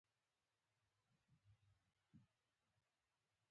زه غواړم چې یو څه نوي شیان زده کړم.